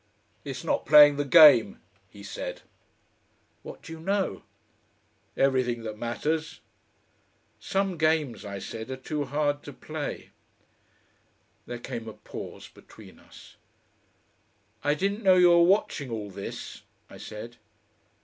"It's not playing the game," he said. "What do you know?" "Everything that matters." "Some games," I said, "are too hard to play." There came a pause between us. "I didn't know you were watching all this," I said.